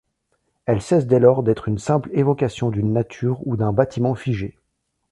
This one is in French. Elle cesse dès lors d'être une simple évocation d'une nature ou d'un bâtiment figé.